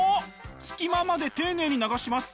隙間まで丁寧に流します。